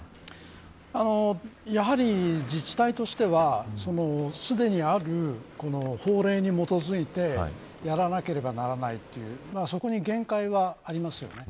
やはり、自治体としてはすでにある、法令に基づいてやらなければならないというそこに限界はありますよね。